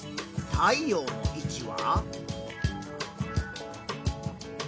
太陽の位置は？